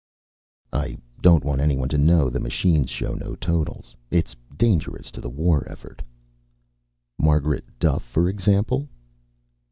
"I don't want anyone to know the machines show no totals. It's dangerous to the war effort." "Margaret Duffe, for example?"